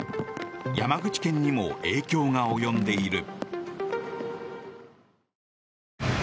山口県にも影響が及んでいる。